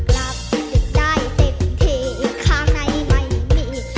รับจุดใจเต็มที่ข้างในไม่มี